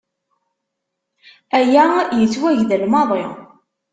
Aya yettwagdel maḍi.